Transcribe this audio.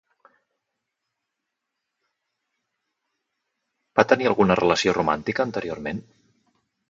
Va tenir alguna relació romàntica anteriorment?